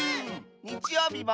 にちようびも。